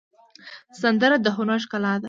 سندره د هنر ښکلا ده